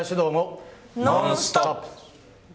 「ノンストップ！」。